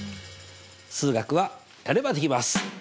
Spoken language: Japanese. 数学はやればできます！